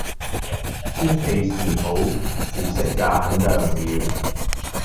天氣是好，月色也很亮了。